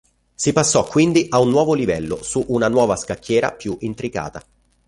Si passa quindi a un nuovo livello su una nuova scacchiera più intricata.